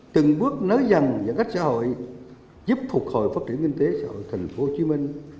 từng bước nới dần giãn cách xã hội giúp phục hồi phát triển kinh tế xã hội thành phố hồ chí minh